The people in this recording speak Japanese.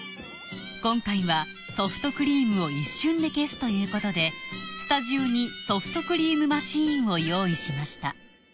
今回はソフトクリームを一瞬で消すということでスタジオにソフトクリームマシンを用意しました